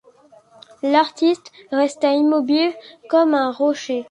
L’artiste resta immobile comme un rocher.